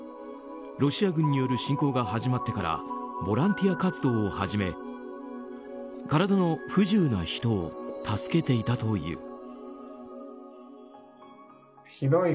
ロシア軍による侵攻が始まってからボランティア活動を始め体の不自由な人を助けていたという。